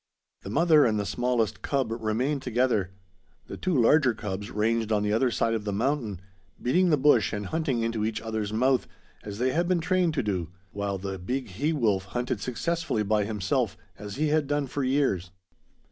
The mother and the smallest cub remained together; the two larger cubs ranged on the other side of the mountain, beating the bush and hunting into each other's mouth, as they had been trained to do; while the big he wolf hunted successfully by himself, as he had done for years.